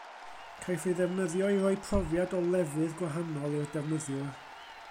Caiff ei ddefnyddio i roi profiad o lefydd gwahanol i'r defnyddiwr.